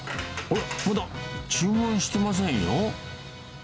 おっ、まだ注文してませんよ。